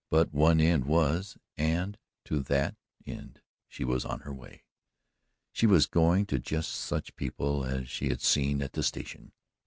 But one end was and to that end she was on her way. She was going to just such people as she had seen at the station.